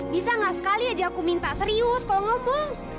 bisa nggak sekali aja aku minta serius kalau ngomong